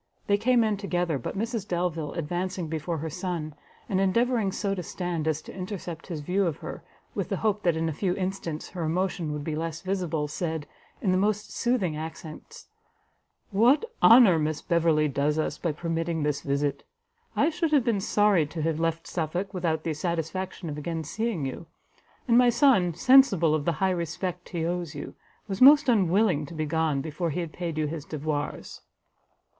They came in together, but Mrs Delvile, advancing before her son, and endeavouring so to stand as to intercept his view of her, with the hope that in a few instants her emotion would be less visible, said, in the most soothing accents, "What honour Miss Beverley does us by permitting this visit! I should have been sorry to have left Suffolk without the satisfaction of again seeing you; and my son, sensible of the high respect he owes you, was most unwilling to be gone, before he had paid you his devoirs."